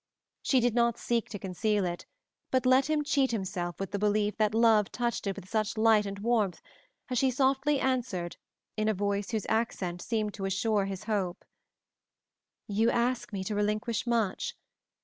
She did not seek to conceal it, but let him cheat himself with the belief that love touched it with such light and warmth, as she softly answered in a voice whose accents seemed to assure his hope. "You ask me to relinquish much.